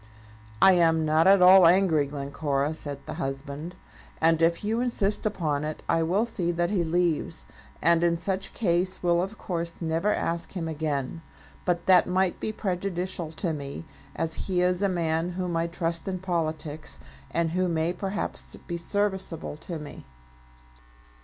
"I am not at all angry, Glencora," said the husband; "and if you insist upon it, I will see that he leaves; and in such case will of course never ask him again. But that might be prejudicial to me, as he is a man whom I trust in politics, and who may perhaps be serviceable to me."